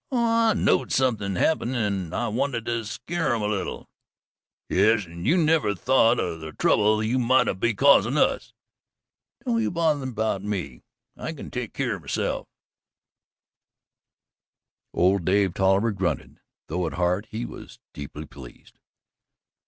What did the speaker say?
"Oh, I knowed somethin'd happened an' I wanted to skeer 'em a leetle." "Yes, an' you never thought o' the trouble you might be causin' us." "Don't you bother about me. I can take keer o' myself." Old Dave Tolliver grunted though at heart he was deeply pleased.